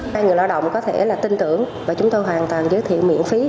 hai người lao động có thể là tin tưởng và chúng tôi hoàn toàn giới thiệu miễn phí